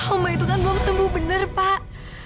oma itu kan belum tumbuh bener pak